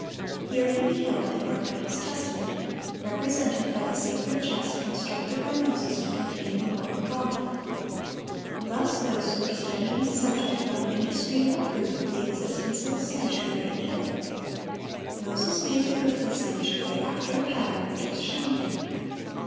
Here he beheld "the ark of His testament," represented by the sacred chest constructed by Moses to contain the law of God. Thus those who were studying the subject found indisputable proof of the existence of a sanctuary in heaven. Moses made the earthly sanctuary after a pattern which was shown him.